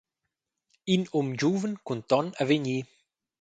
In um giuven cun ton avegnir.